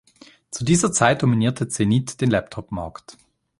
Zu dieser Zeit dominierte Zenith den Laptop-Markt.